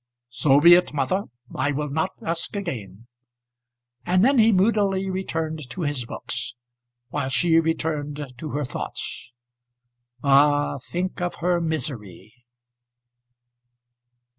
"So be it, mother; I will not ask again," and then he moodily returned to his books, while she returned to her thoughts. Ah, think of her misery!